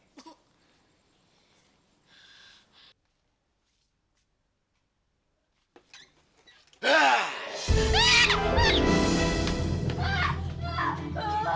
sampai jumpa di video selanjutnya